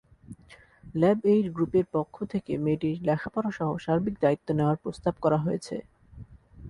ল্যাবএইড গ্রুপের পক্ষ থেকে মেয়েটির লেখাপড়াসহ সার্বিক দায়িত্ব নেওয়ার প্রস্তাব করা হয়েছে।